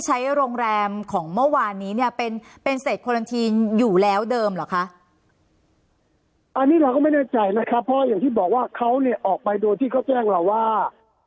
ใช่ครับเพราะอย่างที่บอกว่าเขาเนี่ยออกไปโดยที่เขาแจ้งเราว่า